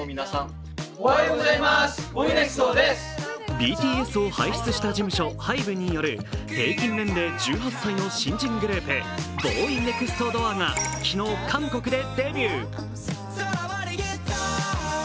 ＢＴＳを輩出した事務所、ＨＹＢＥによる平均年齢１８歳の新人グループＢＯＹＮＥＸＴＤＯＯＲが昨日、韓国でデビュー。